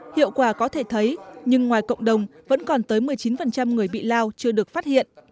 hiệu quả có thể thấy nhưng ngoài cộng đồng vẫn còn tới một mươi chín người bị lao chưa được phát hiện